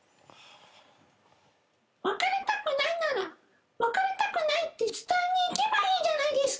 別れたくないなら別れたくないって伝えにいけばいいじゃないですか！